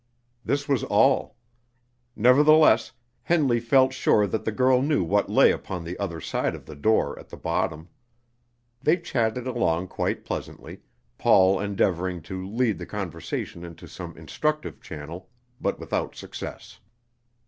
This was all. Nevertheless Henley felt sure that the girl knew what lay upon the other side of the door at the bottom. They chatted along quite pleasantly, Paul endeavoring to lead the conversation into some instructive channel, but without success.